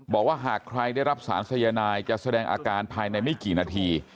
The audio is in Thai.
บอกว่าหากใครได้รับสารสายนายจะแสดงอาการภายในไม่กี่นาที